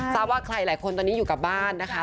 ทราบว่าใครหลายคนตอนนี้อยู่กับบ้านนะคะ